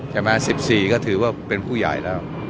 ๑๔ก็ถือว่าเป็นผู้ใหญ่แล้ว